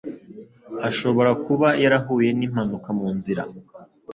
Ashobora kuba yarahuye nimpanuka munzira